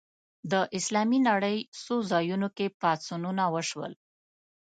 د اسلامي نړۍ څو ځایونو کې پاڅونونه وشول